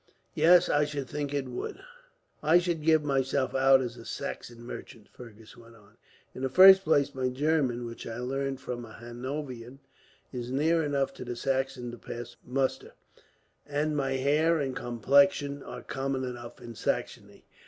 "Yes, I should think it would." "I should give myself out as a Saxon merchant," Fergus went on. "In the first place my German, which I learned from a Hanoverian, is near enough to the Saxon to pass muster; and my hair and complexion are common enough, in Saxony."